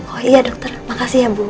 oh iya dokter makasih ya bu